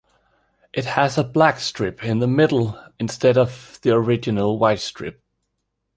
It has a black strip in the middle instead of the original white strip.